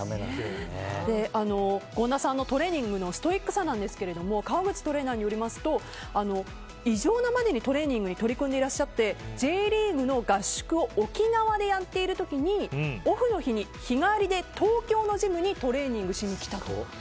権田さんのトレーニングのストイックさなんですが河口トレーナーによりますと異常なまでにトレーニングに取り組んでいらっしゃってＪリーグの合宿を沖縄でやっている時に、オフの日に日帰りで東京のジムにトレーニングしに来たと。